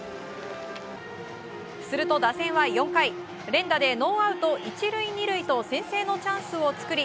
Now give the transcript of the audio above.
すると打線は４回連打でノーアウト１塁、２塁と先制のチャンスを作り